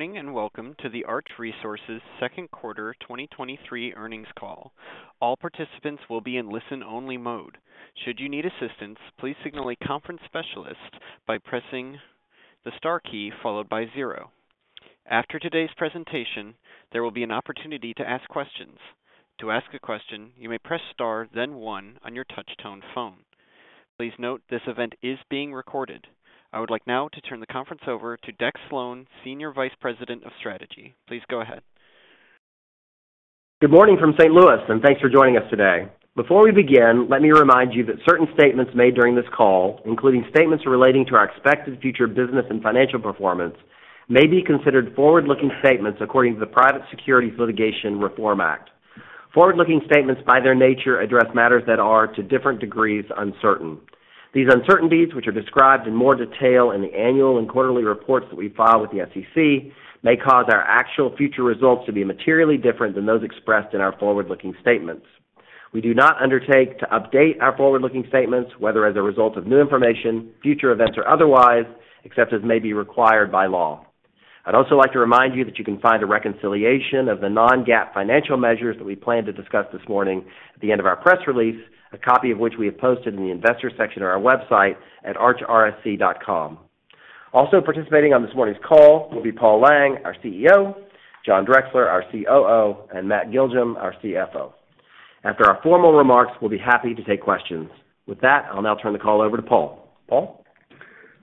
Good morning, welcome to the Arch Resources second quarter 2023 earnings call. All participants will be in listen-only mode. Should you need assistance, please signal a conference specialist by pressing the star key followed by zero. After today's presentation, there will be an opportunity to ask questions. To ask a question, you may press star then one on your touch-tone phone. Please note, this event is being recorded. I would like now to turn the conference over to Deck Slone, Senior Vice President of Strategy. Please go ahead. Good morning from St. Louis, thanks for joining us today. Before we begin, let me remind you that certain statements made during this call, including statements relating to our expected future business and financial performance, may be considered forward-looking statements according to the Private Securities Litigation Reform Act. Forward-looking statements, by their nature, address matters that are, to different degrees, uncertain. These uncertainties, which are described in more detail in the annual and quarterly reports that we file with the SEC, may cause our actual future results to be materially different than those expressed in our forward-looking statements. We do not undertake to update our forward-looking statements, whether as a result of new information, future events, or otherwise, except as may be required by law. I'd also like to remind you that you can find a reconciliation of the non-GAAP financial measures that we plan to discuss this morning at the end of our press release, a copy of which we have posted in the Investors section of our website at archrsc.com. Participating on this morning's call will be Paul Lang, our CEO, John Drexler, our COO, and Matt Giljum, our CFO. After our formal remarks, we'll be happy to take questions. With that, I'll now turn the call over to Paul. Paul?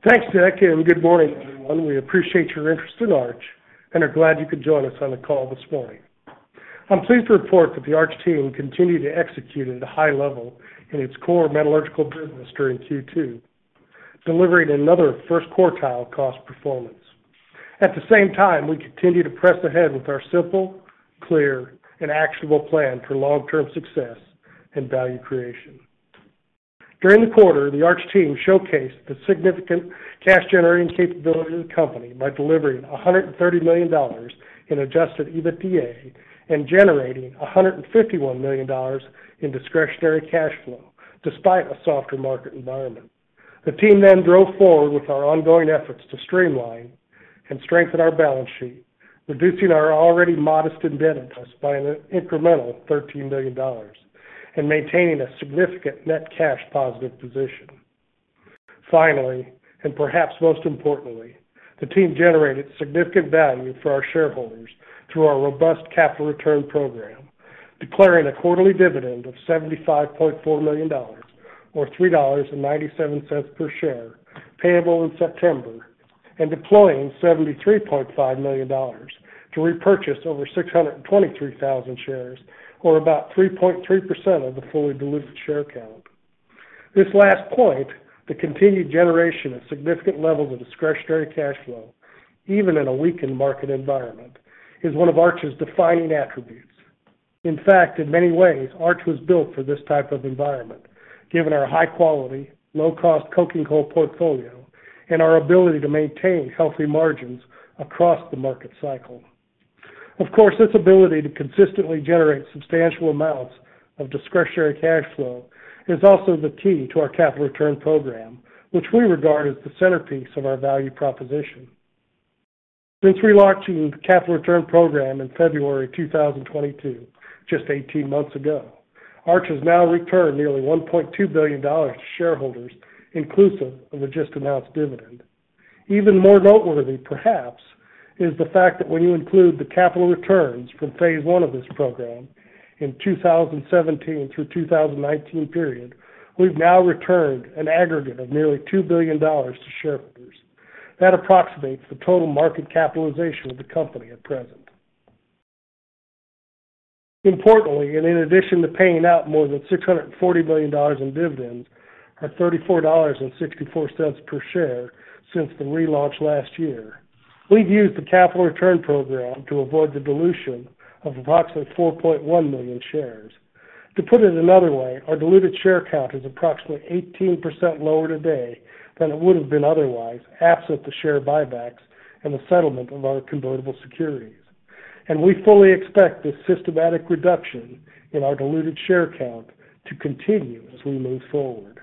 Thanks, Deck, and good morning, everyone. We appreciate your interest in Arch and are glad you could join us on the call this morning. I'm pleased to report that the Arch team continued to execute at a high level in its core metallurgical business during Q2, delivering another first-quartile cost performance. At the same time, we continue to press ahead with our simple, clear, and actionable plan for long-term success and value creation. During the quarter, the Arch team showcased the significant cash-generating capability of the company by delivering $130 million in adjusted EBITDA and generating $151 million in discretionary cash flow, despite a softer market environment. The team then drove forward with our ongoing efforts to streamline and strengthen our balance sheet, reducing our already modest indebtedness by an incremental $13 million and maintaining a significant net cash positive position. Finally, perhaps most importantly, the team generated significant value for our shareholders through our robust capital return program, declaring a quarterly dividend of $75.4 million, or $3.97 per share, payable in September, and deploying $73.5 million to repurchase over 623,000 shares, or about 3.3% of the fully diluted share count. This last point, the continued generation of significant levels of discretionary cash flow, even in a weakened market environment, is one of Arch's defining attributes. In fact, in many ways, Arch was built for this type of environment, given our high-quality, low-cost coking coal portfolio and our ability to maintain healthy margins across the market cycle. Of course, this ability to consistently generate substantial amounts of discretionary cash flow is also the key to our capital return program, which we regard as the centerpiece of our value proposition. Since relaunching the capital return program in February 2022, just 18 months ago, Arch has now returned nearly $1.2 billion to shareholders, inclusive of the just-announced dividend. Even more noteworthy, perhaps, is the fact that when you include the capital returns from phase one of this program in the 2017 through 2019 period, we've now returned an aggregate of nearly $2 billion to shareholders. That approximates the total market capitalization of the company at present. Importantly, in addition to paying out more than $640 million in dividends at $34.64 per share since the relaunch last year, we've used the capital return program to avoid the dilution of approximately 4.1 million shares. To put it another way, our diluted share count is approximately 18% lower today than it would have been otherwise, absent the share buybacks and the settlement of our convertible securities. We fully expect this systematic reduction in our diluted share count to continue as we move forward.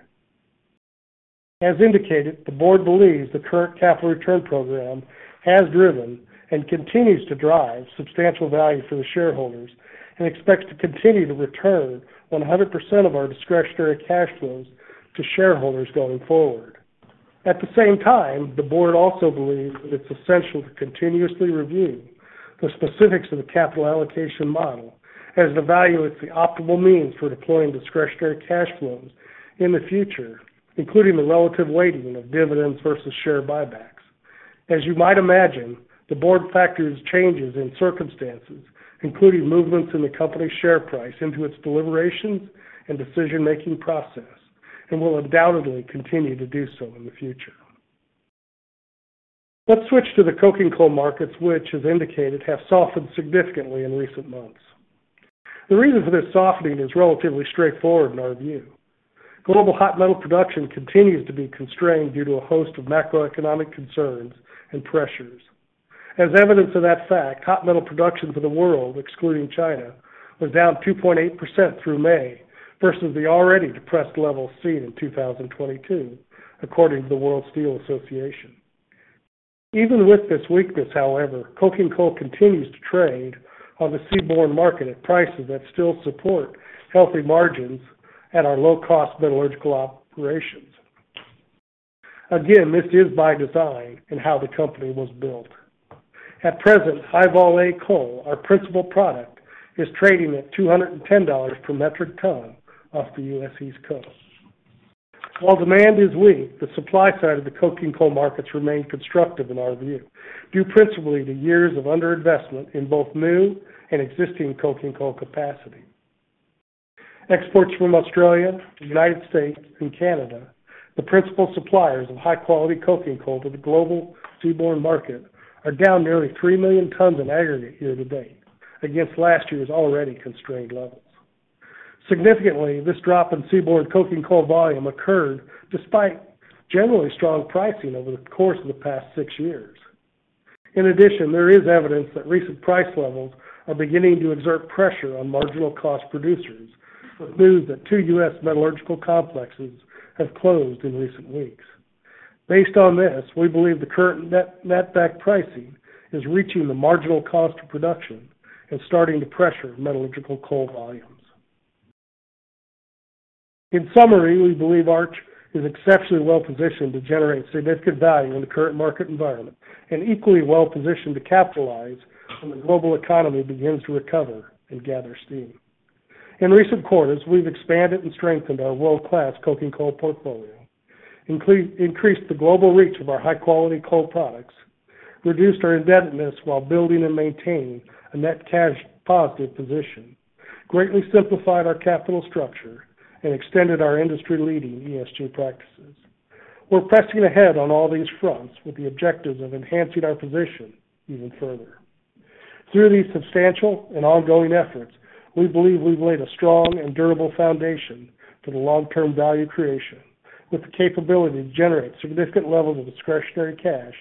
As indicated, the board believes the current capital return program has driven and continues to drive substantial value for the shareholders and expects to continue to return 100% of our discretionary cash flows to shareholders going forward. At the same time, the board also believes that it's essential to continuously review the specifics of the capital allocation model as it evaluates the optimal means for deploying discretionary cash flows in the future, including the relative weighting of dividends versus share buybacks. As you might imagine, the board factors changes in circumstances, including movements in the company's share price, into its deliberations and decision-making process, and will undoubtedly continue to do so in the future. Let's switch to the coking coal markets, which, as indicated, have softened significantly in recent months. The reason for this softening is relatively straightforward in our view. Global hot metal production continues to be constrained due to a host of macroeconomic concerns and pressures. As evidence of that fact, hot metal production for the world, excluding China, was down 2.8% through May, versus the already depressed levels seen in 2022, according to the World Steel Association. Even with this weakness, however, coking coal continues to trade on the seaborne market at prices that still support healthy margins at our low-cost metallurgical operations. Again, this is by design and how the company was built. At present, High-Vol A coal, our principal product, is trading at $210 per metric ton off the U.S. East Coast. While demand is weak, the supply side of the coking coal markets remain constructive in our view, due principally to years of underinvestment in both new and existing coking coal capacity. Exports from Australia, the United States, and Canada, the principal suppliers of high-quality coking coal to the global seaborne market, are down nearly 3 million tons in aggregate year-to-date, against last year's already constrained levels. Significantly, this drop in seaborne coking coal volume occurred despite generally strong pricing over the course of the past six years. In addition, there is evidence that recent price levels are beginning to exert pressure on marginal cost producers, with news that two U.S. metallurgical complexes have closed in recent weeks. Based on this, we believe the current netback pricing is reaching the marginal cost of production and starting to pressure metallurgical coal volumes. In summary, we believe Arch is exceptionally well-positioned to generate significant value in the current market environment and equally well-positioned to capitalize when the global economy begins to recover and gather steam. In recent quarters, we've expanded and strengthened our world-class coking coal portfolio, increased the global reach of our high-quality coal products, reduced our indebtedness while building and maintaining a net cash positive position, greatly simplified our capital structure, and extended our industry-leading ESG practices. We're pressing ahead on all these fronts with the objective of enhancing our position even further. Through these substantial and ongoing efforts, we believe we've laid a strong and durable foundation for the long-term value creation, with the capability to generate significant levels of discretionary cash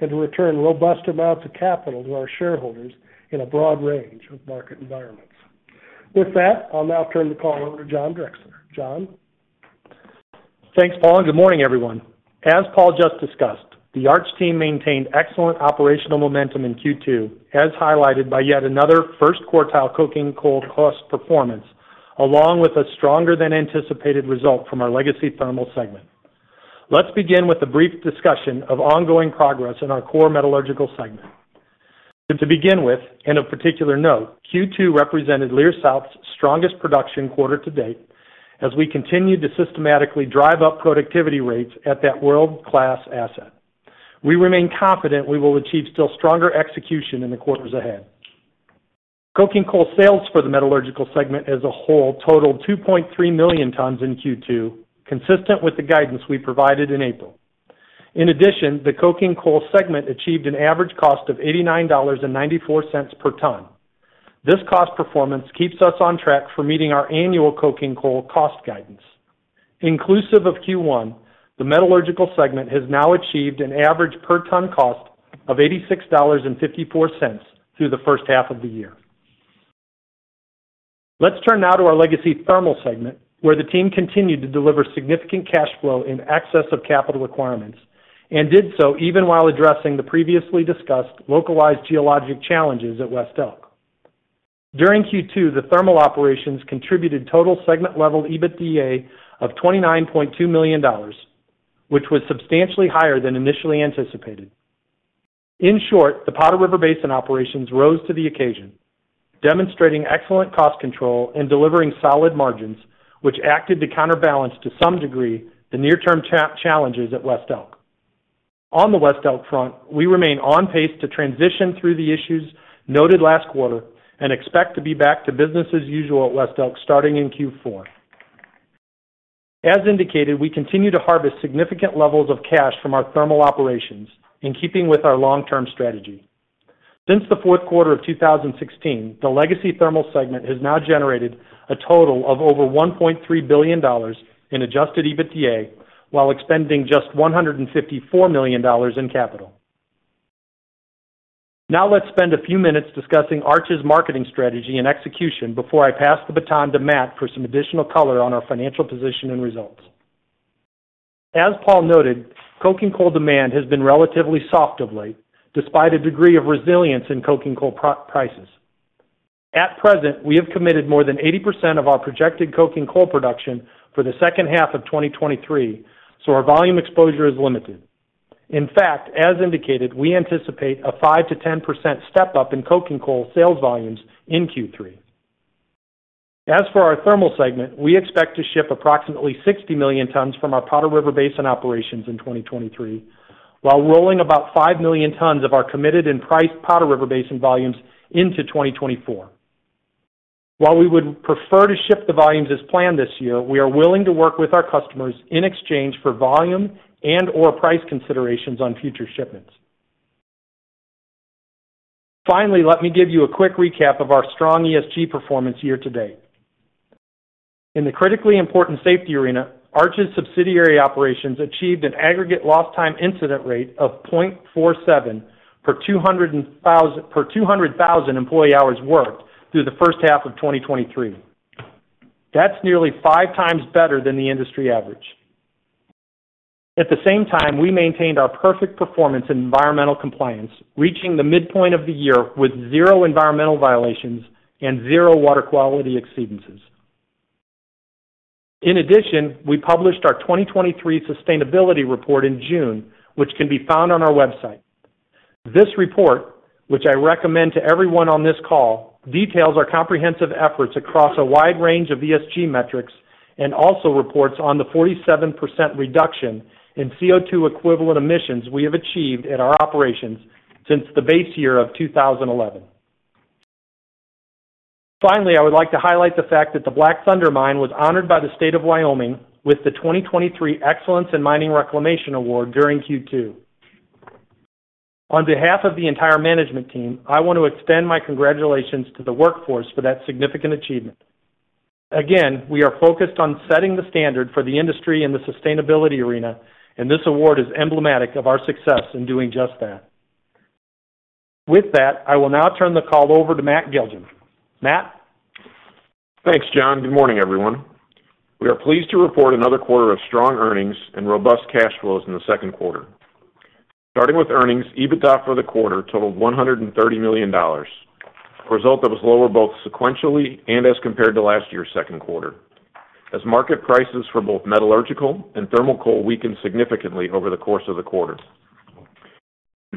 and to return robust amounts of capital to our shareholders in a broad range of market environments. With that, I'll now turn the call over to John Drexler. John? Thanks, Paul. Good morning, everyone. As Paul just discussed, the Arch team maintained excellent operational momentum in Q2, as highlighted by yet another first-quartile coking coal cost performance, along with a stronger-than-anticipated result from our legacy thermal segment. Let's begin with a brief discussion of ongoing progress in our core metallurgical segment. To begin with, of particular note, Q2 represented Leer South's strongest production quarter to date, as we continued to systematically drive up productivity rates at that world-class asset. We remain confident we will achieve still stronger execution in the quarters ahead. Coking coal sales for the metallurgical segment as a whole totaled 2.3 million tons in Q2, consistent with the guidance we provided in April. The coking coal segment achieved an average cost of $89.94 per ton. This cost performance keeps us on track for meeting our annual coking coal cost guidance. Inclusive of Q1, the metallurgical segment has now achieved an average per-ton cost of $86.54 through the first half of the year. Let's turn now to our legacy thermal segment, where the team continued to deliver significant cash flow in excess of capital requirements, and did so even while addressing the previously discussed localized geologic challenges at West Elk. During Q2, the thermal operations contributed total segment-level EBITDA of $29.2 million, which was substantially higher than initially anticipated. In short, the Powder River Basin operations rose to the occasion, demonstrating excellent cost control and delivering solid margins, which acted to counterbalance to some degree, the near-term challenges at West Elk. On the West Elk front, we remain on pace to transition through the issues noted last quarter and expect to be back to business as usual at West Elk starting in Q4. As indicated, we continue to harvest significant levels of cash from our thermal operations in keeping with our long-term strategy. Since the fourth quarter of 2016, the legacy thermal segment has now generated a total of over $1.3 billion in adjusted EBITDA, while expending just $154 million in capital. Let's spend a few minutes discussing Arch's marketing strategy and execution before I pass the baton to Matt for some additional color on our financial position and results. As Paul noted, coking coal demand has been relatively soft of late, despite a degree of resilience in coking coal prices. At present, we have committed more than 80% of our projected coking coal production for the second half of 2023, so our volume exposure is limited. In fact, as indicated, we anticipate a 5%-10% step-up in coking coal sales volumes in Q3. As for our thermal segment, we expect to ship approximately 60 million tons from our Powder River Basin operations in 2023, while rolling about 5 million tons of our committed and priced Powder River Basin volumes into 2024. While we would prefer to ship the volumes as planned this year, we are willing to work with our customers in exchange for volume and/or price considerations on future shipments. Finally, let me give you a quick recap of our strong ESG performance year-to-date. In the critically important safety arena, Arch's subsidiary operations achieved an aggregate lost time incident rate of 0.47 per 200,000 employee hours worked through the first half of 2023. That's nearly five times better than the industry average. At the same time, we maintained our perfect performance in environmental compliance, reaching the midpoint of the year with zero environmental violations and zero water quality exceedances. In addition, we published our 2023 sustainability report in June, which can be found on our website. This report, which I recommend to everyone on this call, details our comprehensive efforts across a wide range of ESG metrics, and also reports on the 47% reduction in CO2-equivalent emissions we have achieved in our operations since the base year of 2011. Finally, I would like to highlight the fact that the Black Thunder Mine was honored by the state of Wyoming with the 2023 Excellence in Mining Reclamation Award during Q2. On behalf of the entire management team, I want to extend my congratulations to the workforce for that significant achievement. Again, we are focused on setting the standard for the industry in the sustainability arena, and this award is emblematic of our success in doing just that. With that, I will now turn the call over to Matt Giljum. Matt? Thanks, John. Good morning, everyone. We are pleased to report another quarter of strong earnings and robust cash flows in the second quarter. Starting with earnings, EBITDA for the quarter totaled $130 million, a result that was lower both sequentially and as compared to last year's second quarter. Market prices for both metallurgical and thermal coal weakened significantly over the course of the quarter.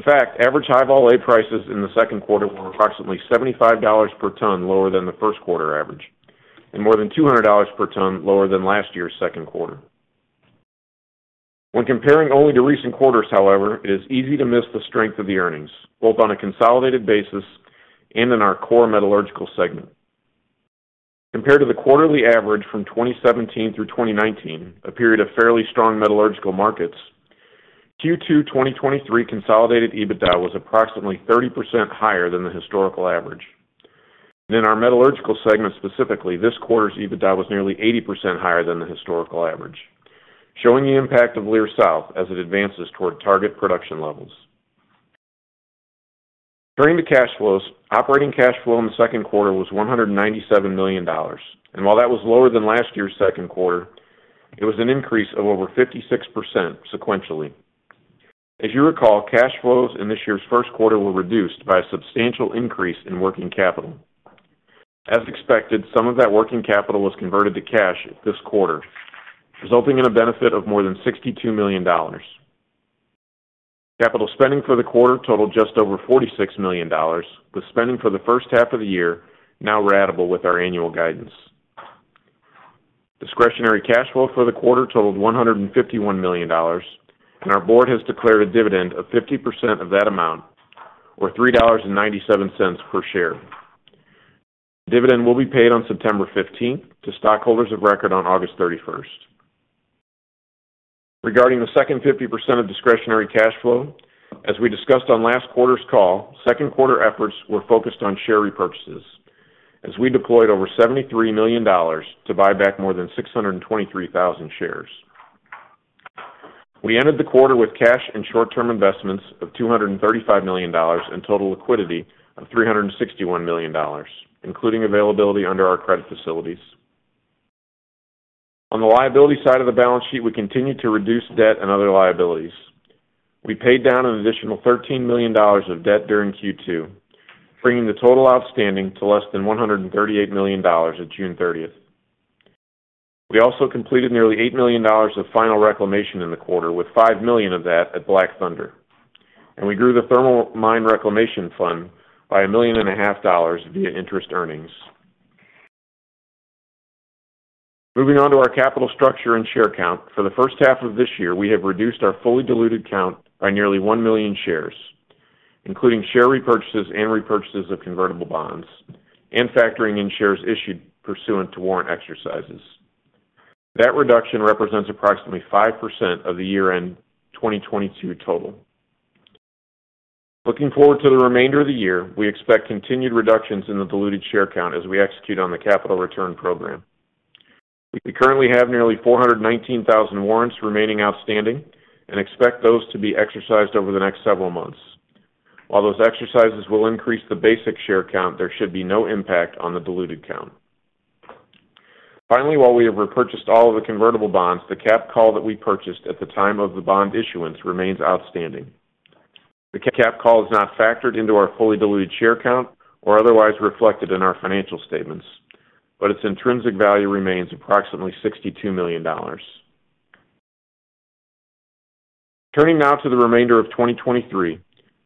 Average High-Vol A prices in the second quarter were approximately $75 per ton, lower than the first quarter average, and more than $200 per ton lower than last year's second quarter. When comparing only to recent quarters, however, it is easy to miss the strength of the earnings, both on a consolidated basis and in our core metallurgical segment. Compared to the quarterly average from 2017 through 2019, a period of fairly strong metallurgical markets, Q2 2023 consolidated EBITDA was approximately 30% higher than the historical average. Our metallurgical segment, specifically, this quarter's EBITDA, was nearly 80% higher than the historical average, showing the impact of Leer South as it advances toward target production levels. Turning to cash flows, operating cash flow in the second quarter was $197 million, and while that was lower than last year's second quarter, it was an increase of over 56% sequentially. If you recall, cash flows in this year's first quarter were reduced by a substantial increase in working capital. As expected, some of that working capital was converted to cash this quarter, resulting in a benefit of more than $62 million. Capital spending for the quarter totaled just over $46 million, with spending for the first half of the year now ratable with our annual guidance. Discretionary cash flow for the quarter totaled $151 million. Our board has declared a dividend of 50% of that amount, or $3.97 per share. Dividend will be paid on September 15th to stockholders of record on August 31st. Regarding the second 50% of discretionary cash flow, as we discussed on last quarter's call, second quarter efforts were focused on share repurchases, as we deployed over $73 million to buy back more than 623,000 shares. We ended the quarter with cash and short-term investments of $235 million, and total liquidity of $361 million, including availability under our credit facilities. On the liability side of the balance sheet, we continued to reduce debt and other liabilities. We paid down an additional $13 million of debt during Q2, bringing the total outstanding to less than $138 million on June 30th. We also completed nearly $8 million of final reclamation in the quarter, with $5 million of that at Black Thunder, and we grew the thermal mine reclamation fund by $1,500,000 via interest earnings. Moving on to our capital structure and share count. For the first half of this year, we have reduced our fully diluted count by nearly 1 million shares, including share repurchases and repurchases of convertible bonds, and factoring in shares issued pursuant to warrant exercises. That reduction represents approximately 5% of the year-end 2022 total. Looking forward to the remainder of the year, we expect continued reductions in the diluted share count as we execute on the capital return program. We currently have nearly 419,000 warrants remaining outstanding and expect those to be exercised over the next several months. While those exercises will increase the basic share count, there should be no impact on the diluted count. Finally, while we have repurchased all of the convertible bonds, the cap call that we purchased at the time of the bond issuance remains outstanding. The cap call is not factored into our fully diluted share count or otherwise reflected in our financial statements, but its intrinsic value remains approximately $62 million. Turning now to the remainder of 2023,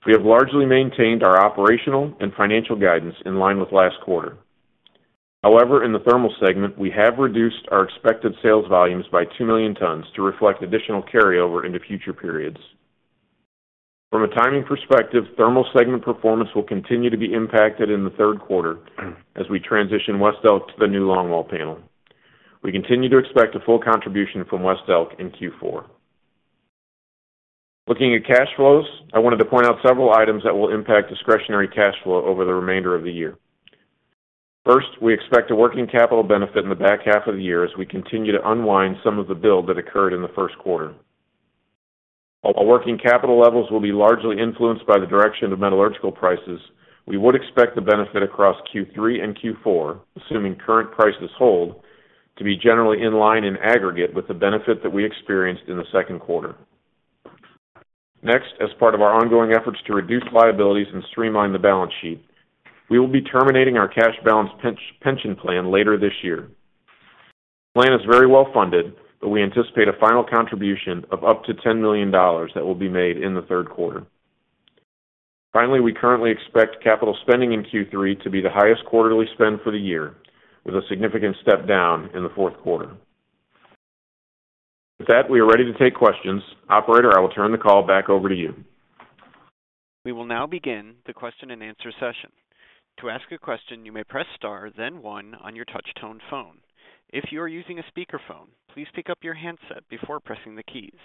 we have largely maintained our operational and financial guidance in line with last quarter. In the thermal segment, we have reduced our expected sales volumes by 2 million tons to reflect additional carryover into future periods. From a timing perspective, thermal segment performance will continue to be impacted in the third quarter as we transition West Elk to the new longwall panel. We continue to expect a full contribution from West Elk in Q4. Looking at cash flows, I wanted to point out several items that will impact discretionary cash flow over the remainder of the year. First, we expect a working capital benefit in the back half of the year as we continue to unwind some of the build that occurred in the first quarter. While working capital levels will be largely influenced by the direction of metallurgical prices, we would expect the benefit across Q3 and Q4, assuming current prices hold, to be generally in line in aggregate with the benefit that we experienced in the second quarter. As part of our ongoing efforts to reduce liabilities and streamline the balance sheet, we will be terminating our cash balance pension plan later this year. The plan is very well funded, but we anticipate a final contribution of up to $10 million that will be made in the third quarter. We currently expect capital spending in Q3 to be the highest quarterly spend for the year, with a significant step down in the fourth quarter. With that, we are ready to take questions. Operator, I will turn the call back over to you. We will now begin the question-and-answer session. To ask a question, you may press star, then one on your touch-tone phone. If you are using a speakerphone, please pick up your handset before pressing the keys.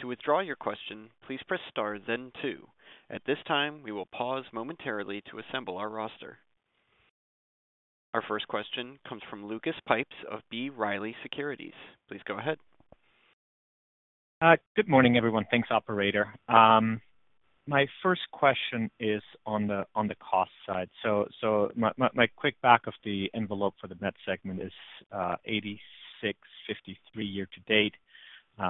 To withdraw your question, please press star then two. At this time, we will pause momentarily to assemble our roster. Our first question comes from Lucas Pipes of B. Riley Securities. Please go ahead. Good morning, everyone. Thanks, operator. My first question is on the cost side. My quick back of the envelope for the metallurgical segment is $86.53 year to date.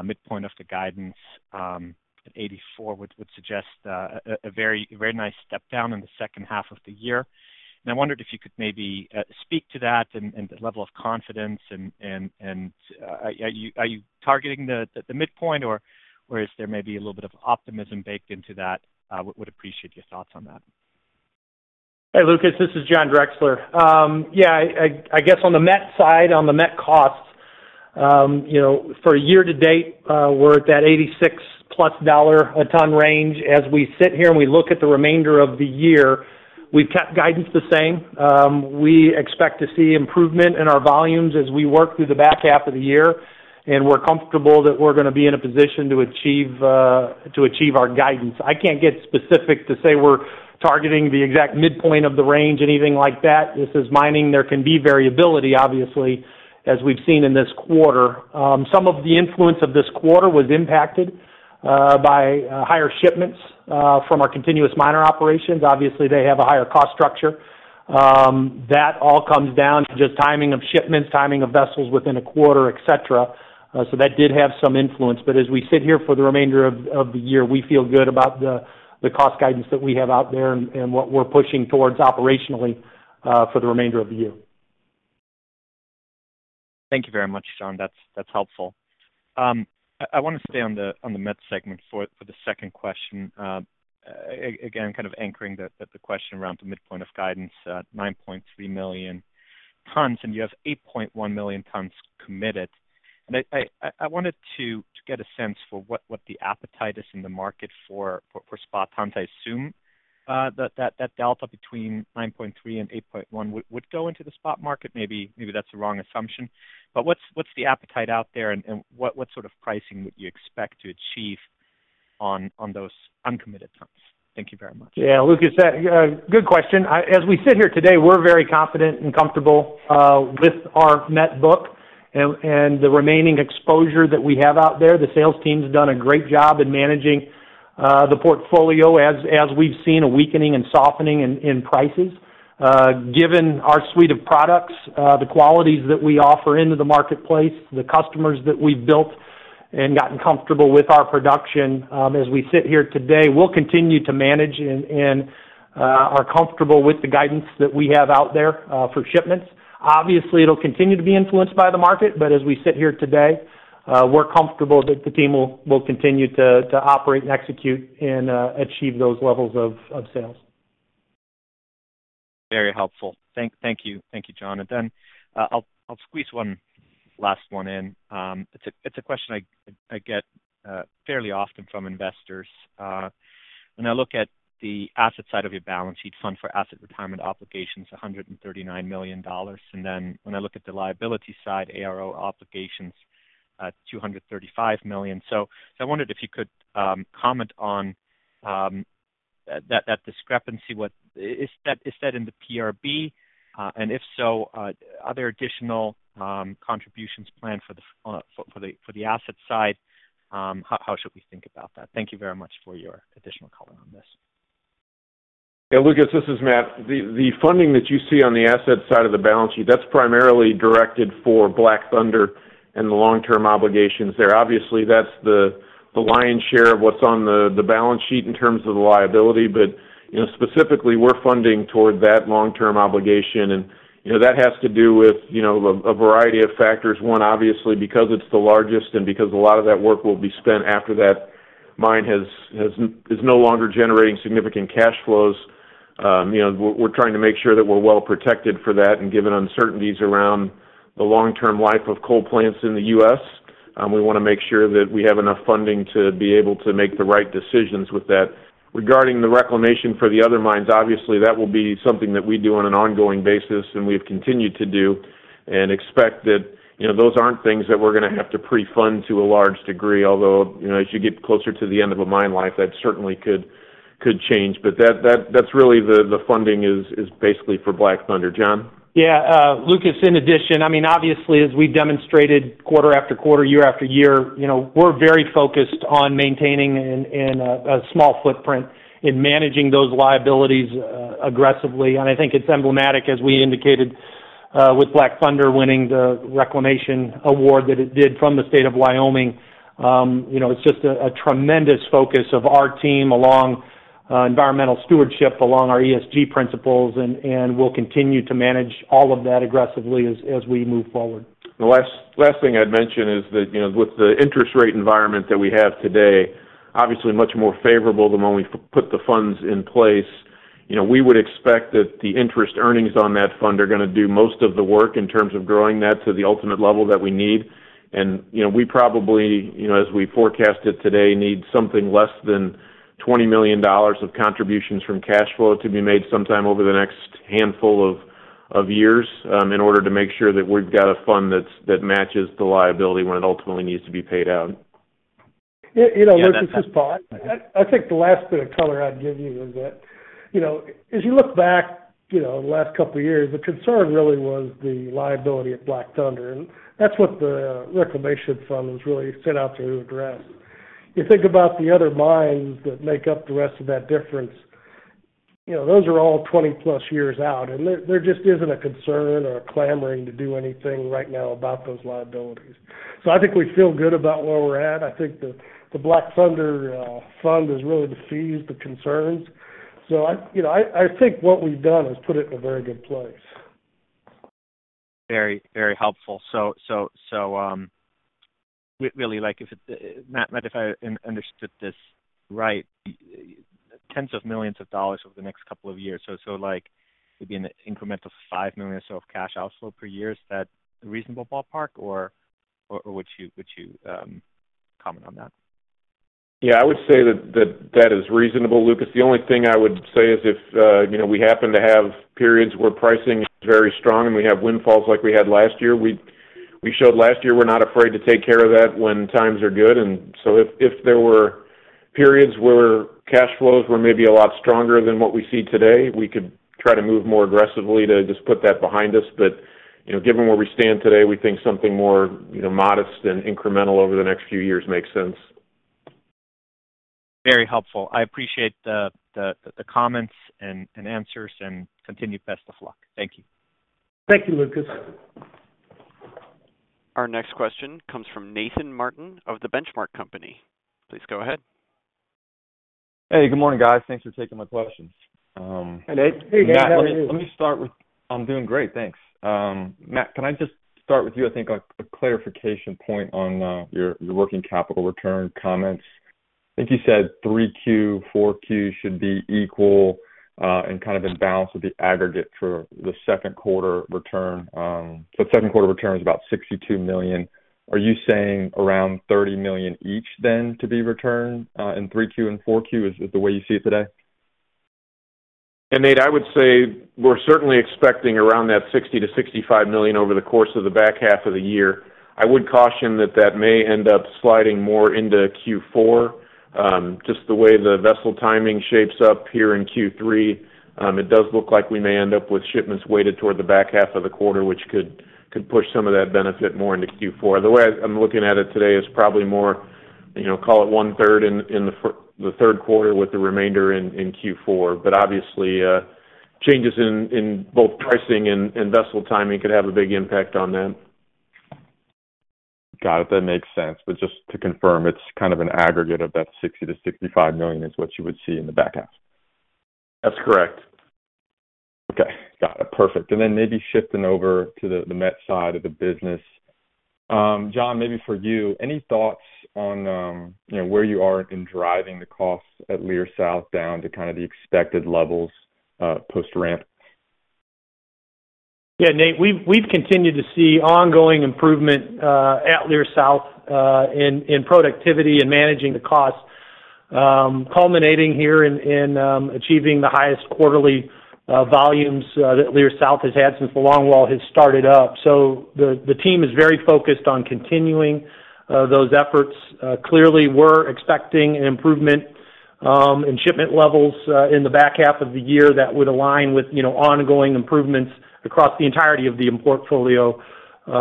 Midpoint of the guidance at $84 would suggest a very, very nice step down in the second half of the year. I wondered if you could maybe speak to that and the level of confidence. Are you targeting the midpoint, or is there maybe a little bit of optimism baked into that? I would appreciate your thoughts on that. Hey, Lucas, this is John Drexler. Yeah, I guess on the met side, on the met costs, you know, for year to date, we're at that $86+ a ton range. As we sit here and we look at the remainder of the year, we've kept guidance the same. We expect to see improvement in our volumes as we work through the back half of the year, and we're comfortable that we're gonna be in a position to achieve our guidance. I can't get specific to say we're targeting the exact midpoint of the range, anything like that. This is mining. There can be variability, obviously, as we've seen in this quarter. Some of the influence of this quarter was impacted by higher shipments from our continuous miner operations. Obviously, they have a higher cost structure. That all comes down to just timing of shipments, timing of vessels within a quarter, et cetera, so that did have some influence. As we sit here for the remainder of the year, we feel good about the cost guidance that we have out there and what we're pushing towards operationally, for the remainder of the year. Thank you very much, John. That's helpful. I wanna stay on the met segment for the second question. Again, kind of anchoring the question around the midpoint of guidance, 9.3 million tons, and you have 8.1 million tons committed. I wanted to get a sense for what the appetite is in the market for spot tons. I assume that delta between 9.3 million tons and 8.1 million tons would go into the spot market. Maybe that's the wrong assumption, what's the appetite out there, and what sort of pricing would you expect to achieve on those uncommitted tons? Thank you very much. Yeah, Lucas, good question. As we sit here today, we're very confident and comfortable with our met book and the remaining exposure that we have out there. The sales team's done a great job in managing the portfolio as we've seen a weakening and softening in prices. Given our suite of products, the qualities that we offer into the marketplace, the customers that we've built and gotten comfortable with our production, as we sit here today, we'll continue to manage and are comfortable with the guidance that we have out there for shipments. Obviously, it'll continue to be influenced by the market, but as we sit here today, we're comfortable that the team will continue to operate and execute and achieve those levels of sales. Very helpful. Thank you. Thank you, John. I'll squeeze one last one in. It's a question I get fairly often from investors. When I look at the asset side of your balance sheet, fund for asset retirement obligations, $139 million, when I look at the liability side, ARO obligations, $235 million. I wondered if you could comment on that discrepancy. Is that in the PRB? If so, are there additional contributions planned for the asset side? How should we think about that? Thank you very much for your additional color on this. Yeah, Lucas, this is Matt. The funding that you see on the asset side of the balance sheet, that's primarily directed for Black Thunder and the long-term obligations there. Obviously, that's the lion's share of what's on the balance sheet in terms of the liability, you know, specifically, we're funding toward that long-term obligation. You know, that has to do with, you know, a variety of factors. One, obviously, because it's the largest and because a lot of that work will be spent after that mine has, is no longer generating significant cash flows. You know, we're trying to make sure that we're well-protected for that, given uncertainties around the long-term life of coal plants in the U.S., we wanna make sure that we have enough funding to be able to make the right decisions with that. Regarding the reclamation for the other mines, obviously, that will be something that we do on an ongoing basis, and we've continued to do and expect that, you know, those aren't things that we're gonna have to pre-fund to a large degree. Although, you know, as you get closer to the end of a mine life, that certainly could change, but that's really the funding is basically for Black Thunder. John? Yeah, Lucas, in addition, I mean, obviously, as we've demonstrated quarter after quarter, year after year, you know, we're very focused on maintaining a small footprint in managing those liabilities aggressively. I think it's emblematic, as we indicated with Black Thunder winning the reclamation award that it did from the state of Wyoming. You know, it's just a tremendous focus of our team along environmental stewardship, along our ESG principles, and we'll continue to manage all of that aggressively as we move forward. The last thing I'd mention is that, you know, with the interest rate environment that we have today, obviously much more favorable than when we put the funds in place. You know, we would expect that the interest earnings on that fund are gonna do most of the work in terms of growing that to the ultimate level that we need. You know, we probably, you know, as we forecast it today, need something less than $20 million of contributions from cash flow to be made sometime over the next handful of years, in order to make sure that we've got a fund that matches the liability when it ultimately needs to be paid out. You know, Lucas, this is Paul. I think the last bit of color I'd give you is that, you know, as you look back, you know, the last couple of years, the concern really was the liability of Black Thunder, and that's what the reclamation fund was really set out to address. You think about the other mines that make up the rest of that difference, you know, those are all 20+ years out, and there, there just isn't a concern or a clamoring to do anything right now about those liabilities. I think we feel good about where we're at. I think the Black Thunder fund has really deceased the concerns. I, you know, I think what we've done is put it in a very good place. Very helpful. Really like if it, Matt, if I understood this right, tens of millions of dollars over the next couple of years. Like maybe an incremental $5 million or so of cash outflow per year, is that a reasonable ballpark, or would you comment on that? Yeah, I would say that is reasonable, Lucas. The only thing I would say is if, you know, we happen to have periods where pricing is very strong and we have windfalls like we had last year, we showed last year, we're not afraid to take care of that when times are good. If there were periods where cash flows were maybe a lot stronger than what we see today, we could try to move more aggressively to just put that behind us. You know, given where we stand today, we think something more, you know, modest and incremental over the next few years makes sense. Very helpful. I appreciate the comments and answers, and continued best of luck. Thank you. Thank you, Lucas. Our next question comes from Nathan Martin of The Benchmark Company. Please go ahead. Hey, good morning, guys. Thanks for taking my questions. Hey, Nate. Hey, Nate, how are you? Matt, let me start with, I'm doing great, thanks. Matt, can I just start with you, I think, like, a clarification point on, your, your working capital return comments. I think you said 3Q, 4Q should be equal, and kind of in balance with the aggregate for the second quarter return. second quarter return is about $62 million. Are you saying around $30 million each then to be returned, in 3Q and 4Q, is the way you see it today? Nate, I would say we're certainly expecting around that $60 million-$65 million over the course of the back half of the year. I would caution that, that may end up sliding more into Q4. Just the way the vessel timing shapes up here in Q3, it does look like we may end up with shipments weighted toward the back half of the quarter, which could push some of that benefit more into Q4. The way I'm looking at it today is probably more, you know, call it one third in, in the third quarter with the remainder in, in Q4. Obviously, changes in, in both pricing and, and vessel timing could have a big impact on that. Got it, that makes sense. Just to confirm, it's kind of an aggregate of that $60 million-$65 million is what you would see in the back half? That's correct. Okay, got it. Perfect. Maybe shifting over to the met side of the business. John, maybe for you, any thoughts on, you know, where you are in driving the costs at Leer South down to kind of the expected levels, post-ramp? Yeah, Nate, we've continued to see ongoing improvement at Leer South in productivity and managing the costs, culminating here in achieving the highest quarterly volumes that Leer South has had since the longwall has started up. The team is very focused on continuing those efforts. Clearly, we're expecting an improvement in shipment levels in the back half of the year that would align with, you know, ongoing improvements across the entirety of the portfolio,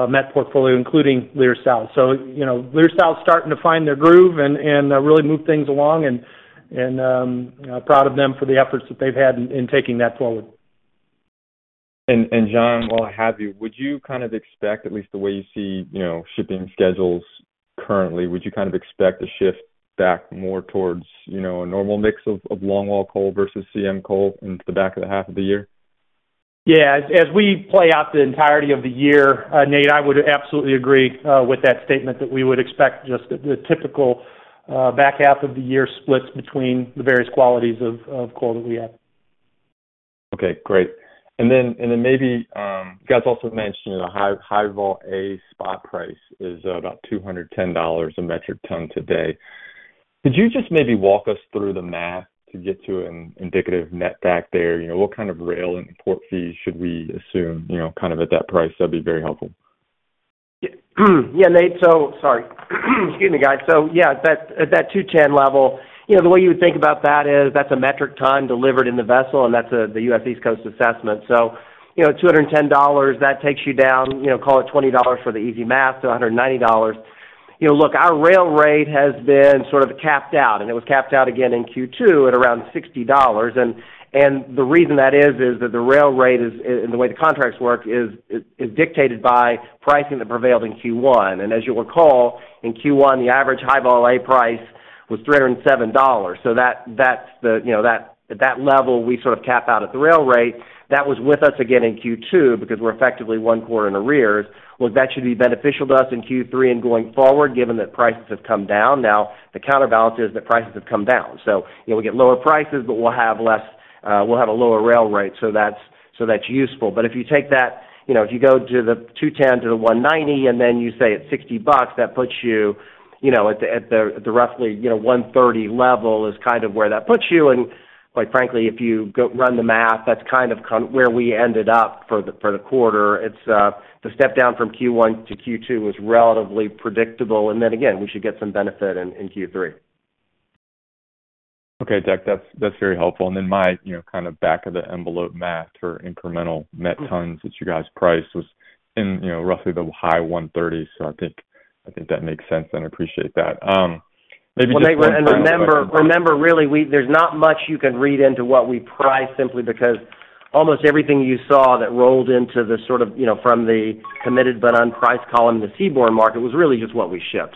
met portfolio, including Leer South. You know, Leer South is starting to find their groove and really move things along and, you know, proud of them for the efforts that they've had in taking that forward. John, while I have you, would you kind of expect, at least the way you see, you know, shipping schedules currently, would you kind of expect a shift back more towards, you know, a normal mix of longwall coal versus CM coal into the back of the half of the year? As we play out the entirety of the year, Nate, I would absolutely agree with that statement, that we would expect just the typical back half of the year splits between the various qualities of coal that we have. Okay, great. Then maybe, you guys also mentioned the High-Vol A spot price is about $210 a metric ton today. Could you just maybe walk us through the math to get to an indicative net back there? You know, what kind of rail and port fees should we assume, you know, kind of at that price? That'd be very helpful. Yeah, Nate, so sorry. Excuse me, guys. That, at that 210 level, you know, the way you would think about that is that's a metric ton delivered in the vessel, and that's the U.S. East Coast assessment. You know, $210, that takes you down, you know, call it $20 for the easy math, so $190. You know, look, our rail rate has been sort of capped out, and it was capped out again in Q2 at around $60. The reason that is, is that the rail rate is, and the way the contracts work is dictated by pricing that prevailed in Q1. As you'll recall, in Q1, the average High-Vol A price was $307. That's the, you know, that, at that level, we sort of cap out at the rail rate. That was with us again in Q2 because we're effectively one quarter in arrears. That should be beneficial to us in Q3 and going forward, given that prices have come down. The counterbalance is that prices have come down. You know, we get lower prices, but we'll have less, we'll have a lower rail rate, so that's useful. If you take that, you know, if you go to the $210 to the $190, and then you say it's $60, that puts you, you know, at the roughly, you know, $130 level is kind of where that puts you. Quite frankly, if you go run the math, that's kind of where we ended up for the quarter. It's the step down from Q1 to Q2 was relatively predictable. Then again, we should get some benefit in Q3. Okay, Deck, that's very helpful. Then my, you know, kind of back of the envelope math for incremental net tons that you guys priced was in, you know, roughly the high $130s. I think that makes sense, and I appreciate that. Maybe just one Well, Nate, remember, really, there's not much you can read into what we price simply because almost everything you saw that rolled into the sort of, you know, from the committed but unpriced column, the seaborne market, was really just what we shipped.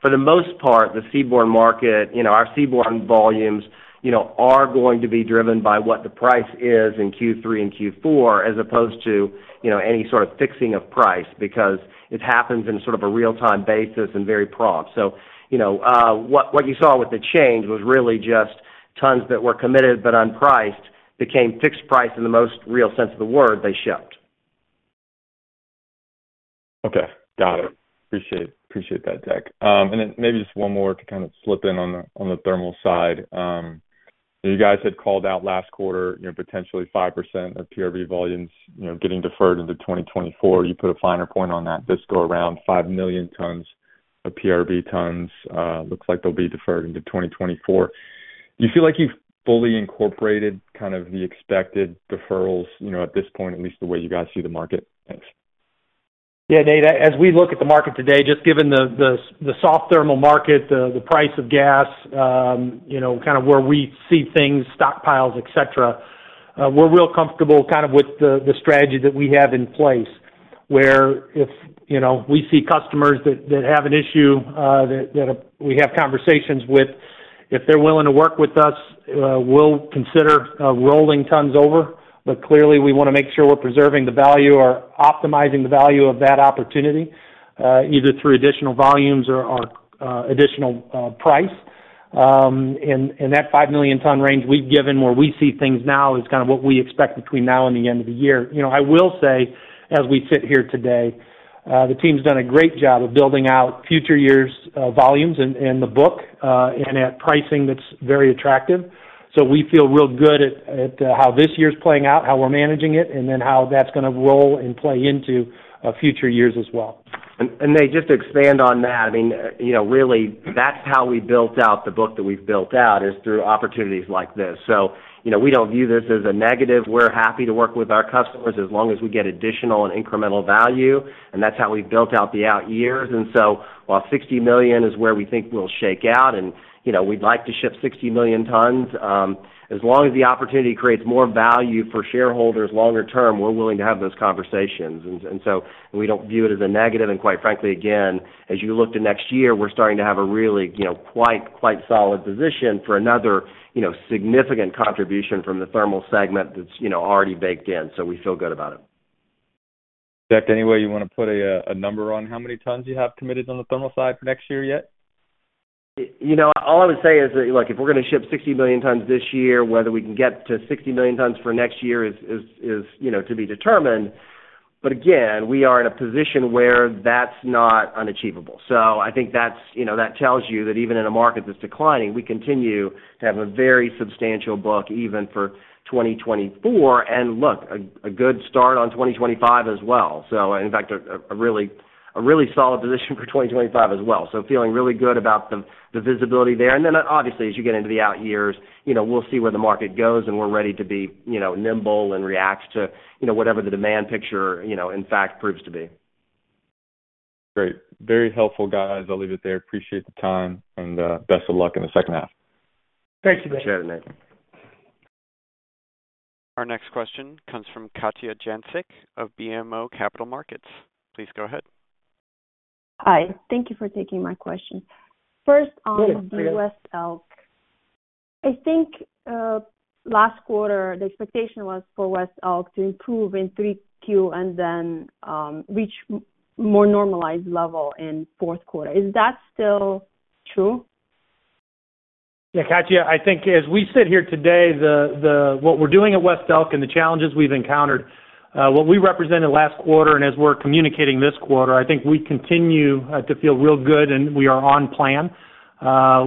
For the most part, the seaborne market, you know, our seaborne volumes, you know, are going to be driven by what the price is in Q3 and Q4, as opposed to, you know, any sort of fixing of price, because it happens in sort of a real-time basis and very prompt. You know, what you saw with the change was really just tons that were committed, but unpriced, became fixed price in the most real sense of the word, they shipped. Okay. Got it. Appreciate that, Deck. Then maybe just one more to kind of slip in on the, on the thermal side. You guys had called out last quarter, you know, potentially 5% of PRB volumes, you know, getting deferred into 2024. You put a finer point on that, just go around 5 million tons of PRB tons, looks like they'll be deferred into 2024. Do you feel like you've fully incorporated kind of the expected deferrals, you know, at this point, at least the way you guys see the market? Thanks. Yeah, Nate, as we look at the market today, just given the soft thermal market, the price of gas, you know, kind of where we see things, stockpiles, et cetera, we're real comfortable kind of with the strategy that we have in place. Where if, you know, we see customers that have an issue that we have conversations with, if they're willing to work with us, we'll consider rolling tons over. Clearly, we want to make sure we're preserving the value or optimizing the value of that opportunity, either through additional volumes or additional price. That 5 million ton range we've given, where we see things now, is kind of what we expect between now and the end of the year. You know, I will say, as we sit here today, the team's done a great job of building out future years', volumes in, in the book, and at pricing that's very attractive. We feel real good at how this year's playing out, how we're managing it, and then how that's going to roll and play into future years as well. Nate, just to expand on that, I mean, you know, really that's how we built out the book that we've built out, is through opportunities like this. You know, we don't view this as a negative. We're happy to work with our customers as long as we get additional and incremental value, and that's how we've built out the out years. While 60 million is where we think we'll shake out, and, you know, we'd like to ship 60 million tons, as long as the opportunity creates more value for shareholders longer term, we're willing to have those conversations. So we don't view it as a negative. Quite frankly, again, as you look to next year, we're starting to have a really, you know, quite solid position for another, you know, significant contribution from the thermal segment that's, you know, already baked in. We feel good about it. Deck, any way you want to put a, a number on how many tons you have committed on the thermal side for next year yet? You know, all I would say is that, look, if we're going to ship 60 million tons this year, whether we can get to 60 million tons for next year is, you know, to be determined. Again, we are in a position where that's not unachievable. I think that's, you know, that tells you that even in a market that's declining, we continue to have a very substantial book, even for 2024. Look, a good start on 2025 as well. In fact, a really solid position for 2025 as well. Feeling really good about the, the visibility there. Obviously, as you get into the out years, you know, we'll see where the market goes, we're ready to be, you know, nimble and react to, you know, whatever the demand picture, you know, in fact, proves to be. Great. Very helpful, guys. I'll leave it there. Appreciate the time, and best of luck in the second half. Thank you, Nate. Appreciate it, Nate. Our next question comes from Katja Jancic of BMO Capital Markets. Please go ahead. Hi, thank you for taking my question. First, on West Elk. I think, last quarter, the expectation was for West Elk to improve in Q3 and then, reach more normalized level in fourth quarter. Is that still true? Yeah, Katja, I think as we sit here today, the what we're doing at West Elk and the challenges we've encountered, what we represented last quarter and as we're communicating this quarter, I think we continue to feel real good, and we are on plan. As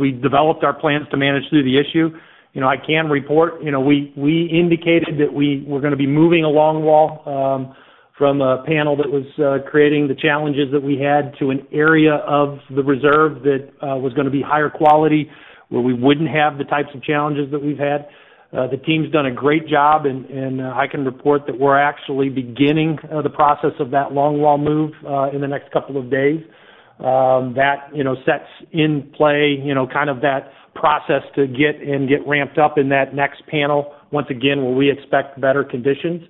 we developed our plans to manage through the issue, you know, I can report, you know, we indicated that we were gonna be moving along wall, from a panel that was creating the challenges that we had to an area of the reserve that was gonna be higher quality, where we wouldn't have the types of challenges that we've had. The team's done a great job, and I can report that we're actually beginning the process of that long wall move in the next couple of days. That, you know, sets in play, you know, kind of that process to get ramped up in that next panel, once again, where we expect better conditions.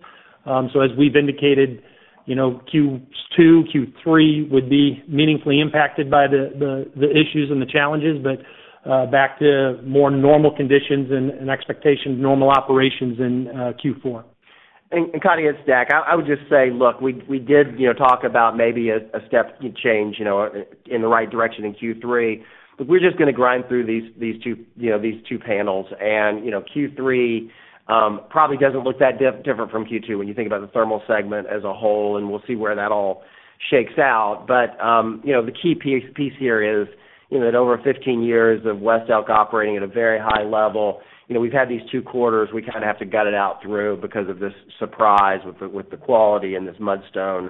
As we've indicated, you know, Q2, Q3 would be meaningfully impacted by the issues and the challenges, but back to more normal conditions and expectation of normal operations in Q4. Katja, it's Deck. I would just say, look, we did, you know, talk about maybe a step change, you know, in the right direction in Q3, but we're just gonna grind through these two, you know, these two panels. Q3 probably doesn't look that different from Q2 when you think about the thermal segment as a whole, and we'll see where that all shakes out. The key piece here is, you know, that over 15 years of West Elk operating at a very high level, you know, we've had these two quarters, we kind of have to gut it out through because of this surprise with the quality and this mudstone.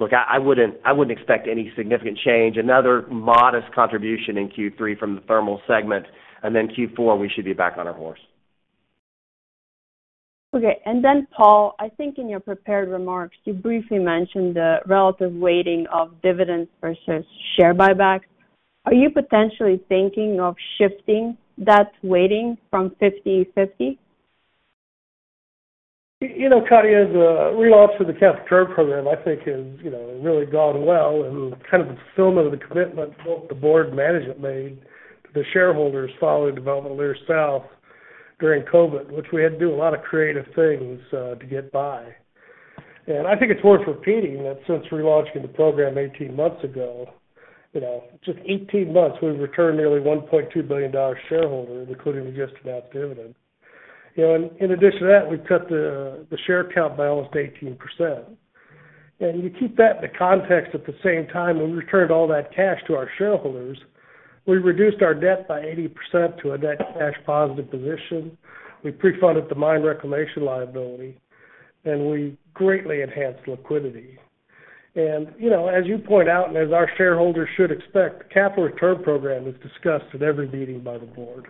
Look, I wouldn't expect any significant change. Another modest contribution in Q3 from the thermal segment, and then Q4, we should be back on our horse. Okay. Paul, I think in your prepared remarks, you briefly mentioned the relative weighting of dividends versus share buybacks. Are you potentially thinking of shifting that weighting from 50/50? You know, Katja, the relaunch of the capital return program, I think has, you know, really gone well and kind of the fulfillment of the commitment both the board management made to the shareholders following the development of Leer South during COVID, which we had to do a lot of creative things to get by. I think it's worth repeating that since relaunching the program 18 months ago, you know, just 18 months, we've returned nearly $1.2 billion to shareholders, including the just announced dividend. You know, in addition to that, we've cut the share count by almost 18%. You keep that in the context at the same time, when we returned all that cash to our shareholders, we reduced our debt by 80% to a net cash positive position. We pre-funded the mine reclamation liability, and we greatly enhanced liquidity. You know, as you point out, and as our shareholders should expect, the capital return program is discussed at every meeting by the board.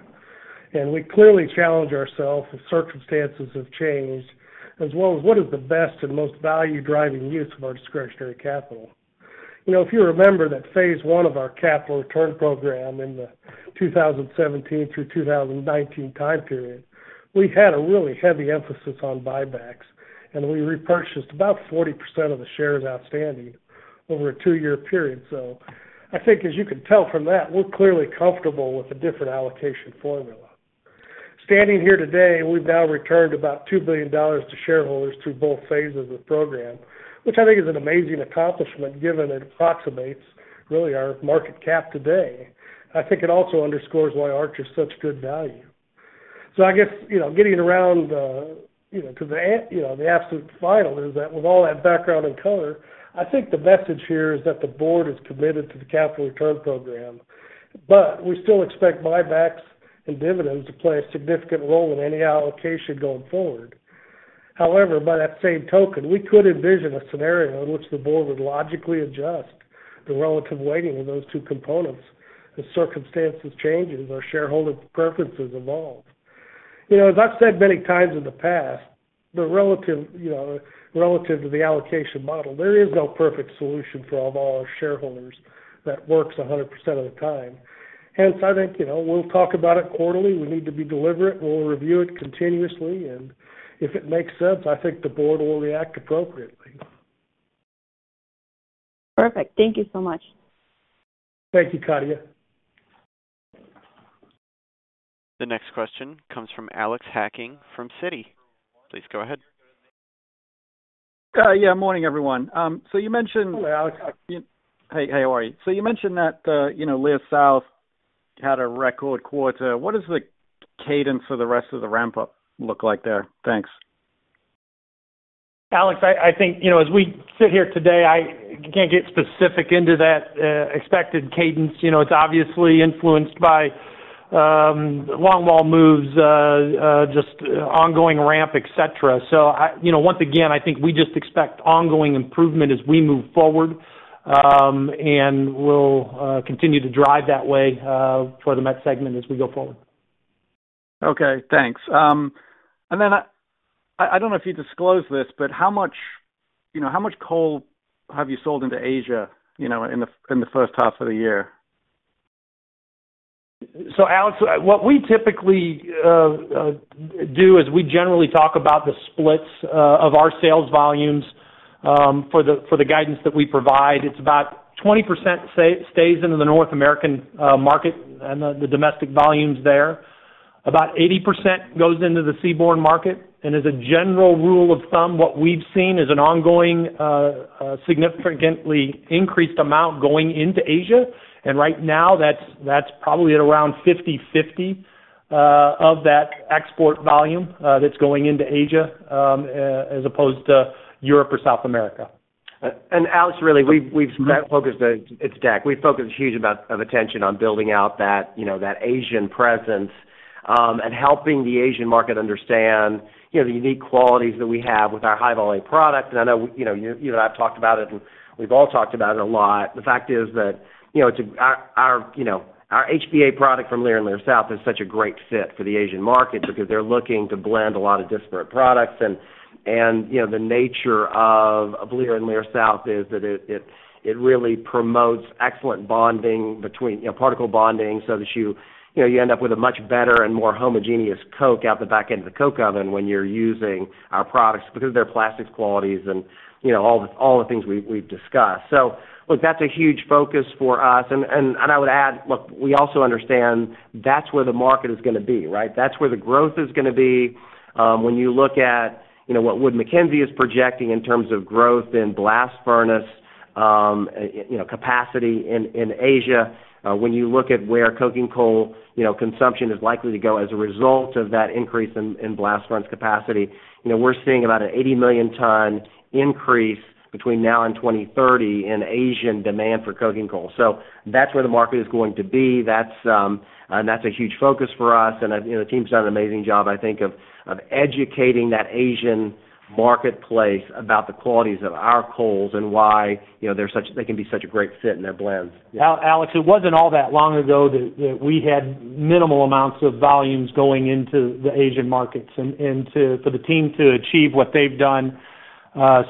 We clearly challenge ourselves if circumstances have changed, as well as what is the best and most value-driving use of our discretionary capital. You know, if you remember that phase one of our capital return program in the 2017 through 2019 period, we had a really heavy emphasis on buybacks, and we repurchased about 40% of the shares outstanding over a two-year period. I think, as you can tell from that, we're clearly comfortable with a different allocation formula. Standing here today, we've now returned about $2 billion to shareholders through both phases of the program, which I think is an amazing accomplishment, given it approximates really our market cap today. I think it also underscores why Arch is such good value. I guess, you know, getting around the because the absolute final is that with all that background and color, I think the message here is that the board is committed to the capital return program, but we still expect buybacks and dividends to play a significant role in any allocation going forward. However, by that same token, we could envision a scenario in which the board would logically adjust the relative weighting of those two components as circumstances changes, our shareholder preferences evolve. You know, as I've said many times in the past, the relative, you know, relative to the allocation model, there is no perfect solution for all of our shareholders that works 100% of the time. Hence, I think, you know, we'll talk about it quarterly. We need to be deliberate. We'll review it continuously, and if it makes sense, I think the board will react appropriately. Perfect. Thank you so much. Thank you, Katja. The next question comes from Alex Hacking from Citi. Please go ahead. Yeah, morning, everyone. Hello, Alex. Hey, how are you? You mentioned that, you know, Leer South had a record quarter. What does the cadence for the rest of the ramp-up look like there? Thanks. Alex, I think, you know, as we sit here today, I can't get specific into that, expected cadence. You know, it's obviously influenced by, long wall moves, just ongoing ramp, et cetera. You know, once again, I think we just expect ongoing improvement as we move forward, and we'll continue to drive that way, for the met segment as we go forward. Okay, thanks. I, I don't know if you disclosed this, but how much, you know, how much coal have you sold into Asia, you know, in the first half of the year? Alex, what we typically do is we generally talk about the splits of our sales volumes for the guidance that we provide. It's about 20% stays in the North American market and the domestic volumes there. About 80% goes into the seaborne market, and as a general rule of thumb, what we've seen is an ongoing significantly increased amount going into Asia, and right now, that's, that's probably at around 50/50 of that export volume that's going into Asia, as opposed to Europe or South America? Alex, really, we've focused it's Deck. We've focused a huge amount of attention on building out that, you know, that Asian presence, and helping the Asian market understand, you know, the unique qualities that we have with our High-Vol A product. I know, you know, you and I have talked about it, and we've all talked about it a lot. The fact is that, you know, to our, you know, our HBA product from Leer and Leer South is such a great fit for the Asian market because they're looking to blend a lot of disparate products. You know, the nature of Leer and Leer South is that it really promotes excellent bonding between particle bonding, so that you know, you end up with a much better and more homogeneous coke out the back end of the coke oven when you're using our products because of their plastics qualities and, you know, all the things we've discussed. Look, that's a huge focus for us. I would add, look, we also understand that's where the market is gonna be, right? That's where the growth is gonna be. When you look at, you know, what Wood Mackenzie is projecting in terms of growth in blast furnace, you know, capacity in Asia, when you look at where coking coal, you know, consumption is likely to go as a result of that increase in blast furnace capacity, you know, we're seeing about an 80 million ton increase between now and 2030 in Asian demand for coking coal. That's where the market is going to be. That's. That's a huge focus for us. You know, the team's done an amazing job, I think, of, of educating that Asian marketplace about the qualities of our coals and why, you know, they can be such a great fit in their blends. Alex, it wasn't all that long ago that we had minimal amounts of volumes going into the Asian markets. For the team to achieve what they've done,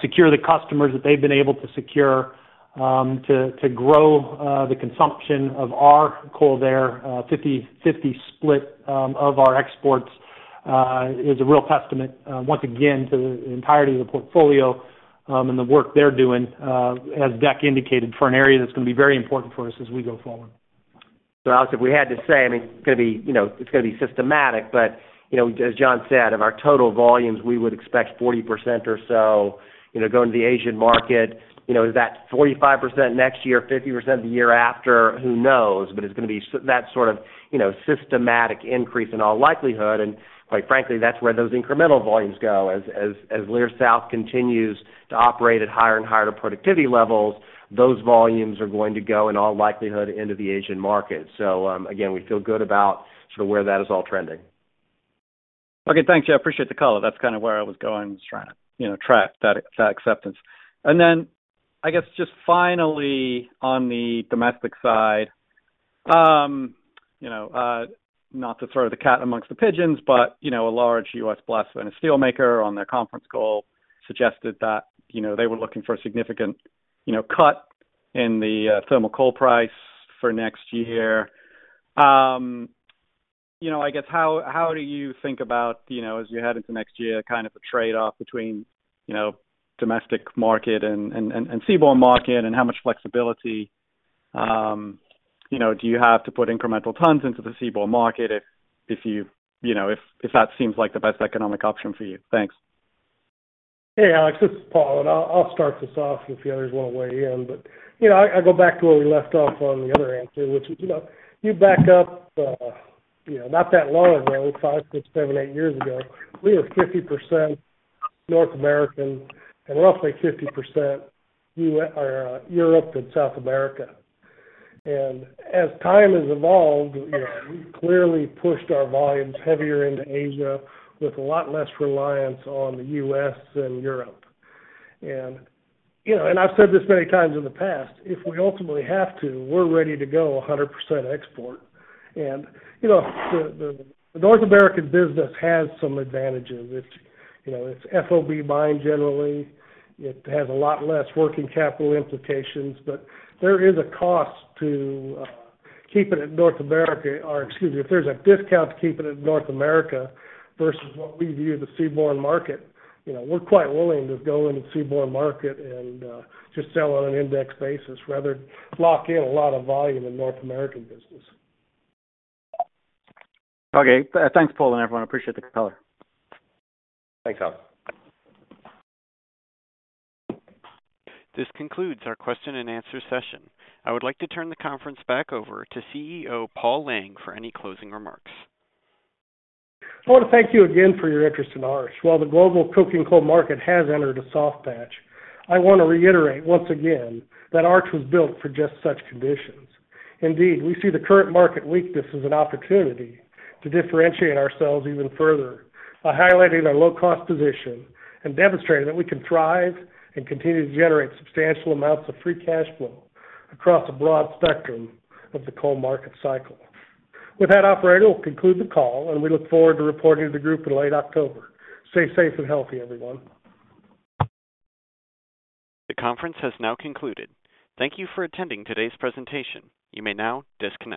secure the customers that they've been able to secure, to grow the consumption of our coal there, a 50/50 split of our exports, is a real testament once again, to the entirety of the portfolio, and the work they're doing, as Deck indicated, for an area that's going to be very important for us as we go forward. Alex, if we had to say, I mean, it's gonna be, you know, it's gonna be systematic, but, you know, as John said, of our total volumes, we would expect 40% or so, you know, going to the Asian market. You know, is that 45% next year, 50% the year after? Who knows, but it's gonna be that sort of, you know, systematic increase in all likelihood. Quite frankly, that's where those incremental volumes go. As Leer South continues to operate at higher and higher productivity levels, those volumes are going to go, in all likelihood, into the Asian market. Again, we feel good about sort of where that is all trending. Okay, thanks, Deck. I appreciate the color. That's kind of where I was going. I was trying to, you know, track that acceptance. I guess, just finally, on the domestic side, you know, not to throw the cat amongst the pigeons, but, you know, a large U.S. blast furnace steelmaker on their conference call suggested that, you know, they were looking for a significant, you know, cut in the thermal coal price for next year. You know, I guess, how do you think about, you know, as we head into next year, kind of a trade-off between, you know, domestic market and seaborne market, and how much flexibility, you know, do you have to put incremental tons into the seaborne market if you, you know, if that seems like the best economic option for you? Thanks. Hey, Alex, this is Paul, and I'll start this off if the others want to weigh in. you know, I go back to where we left off on the other answer, which is, you know, you back up, you know, not that long ago, five, six, seven, eight years ago, we had 50% North American and roughly 50% Europe and South America. As time has evolved, you know, we've clearly pushed our volumes heavier into Asia, with a lot less reliance on the U.S. and Europe. you know, I've said this many times in the past, if we ultimately have to, we're ready to go 100% export. you know, the North American business has some advantages. It's, you know, it's FOB buying generally. It has a lot less working capital implications, but there is a cost to keeping it in North America. Excuse me, if there's a discount to keeping it in North America versus what we view the seaborne market, you know, we're quite willing to go into the seaborne market and just sell on an index basis rather than lock in a lot of volume in North American business. Okay. Thanks, Paul, and everyone. I appreciate the color. Thanks, Alex. This concludes our question and answer session. I would like to turn the conference back over to CEO Paul Lang for any closing remarks. I want to thank you again for your interest in Arch. While the global coking coal market has entered a soft patch, I want to reiterate once again that Arch was built for just such conditions. Indeed, we see the current market weakness as an opportunity to differentiate ourselves even further by highlighting our low-cost position and demonstrating that we can thrive and continue to generate substantial amounts of free cash flow across a broad spectrum of the coal market cycle. With that, operator, we'll conclude the call, and we look forward to reporting to the group in late October. Stay safe and healthy, everyone. The conference has now concluded. Thank you for attending today's presentation. You may now disconnect.